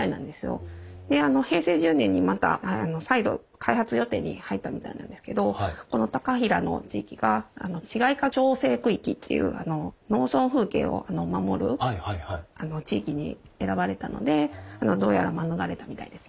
であの平成１０年にまた再度開発予定に入ったみたいなんですけどこの高平の地域が市街化調整区域っていう農村風景を守る地域に選ばれたのでどうやら免れたみたいですね。